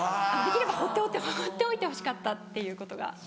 できれば放っておいてほしかったっていうことが。